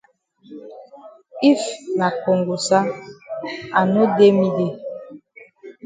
If na kongosa I no dey me dey.